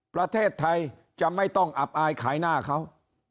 ประเทศไทยจะไม่ต้องอับอายขายหน้าเขา